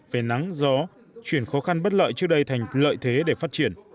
về nắng gió chuyển khó khăn bất lợi trước đây thành lợi thế để phát triển